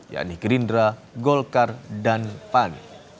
yakni gerindra golkar dan pan